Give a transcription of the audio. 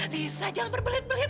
lisa jangan berbelit belit